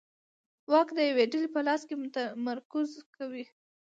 واک د یوې ډلې په لاس کې متمرکز کوي.